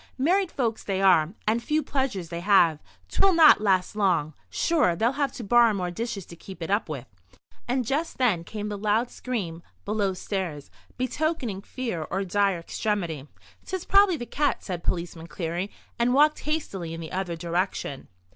Married folks they are; and few pleasures they have. 'Twill not last long. Sure, they'll have to borrow more dishes to keep it up with." And just then came the loud scream below stairs, betokening fear or dire extremity. "'Tis probably the cat," said Policeman Cleary, and walked hastily in the other direction.